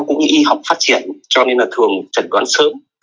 cũng như y học phát triển cho nên là thường chẩn đoán sớm